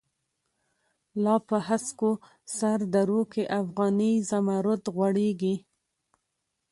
لا په هسکو سر درو کی، افغانی زمری غوریږی